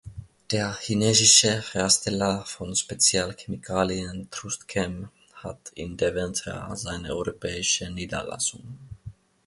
Der chinesische Hersteller von Spezialchemikalien Trust Chem hat in Deventer seine europäische Niederlassung.